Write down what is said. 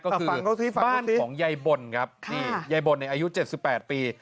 ก็คือบ้านของไยบ่นครับไยบ่นในอายุ๗๘ปี